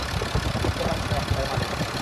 বুঝতে পারছি না এর মানে কী।